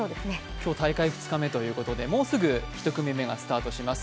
今日、大会２日目ということでもうすぐ１組目がスタートします。